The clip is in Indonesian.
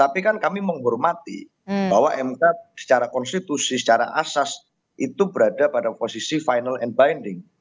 tapi kan kami menghormati bahwa mk secara konstitusi secara asas itu berada pada posisi final and binding